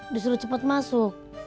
disuruh cepet masuk